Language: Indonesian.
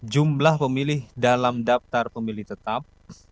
jumlah pemilih dalam daftar pemilih tetap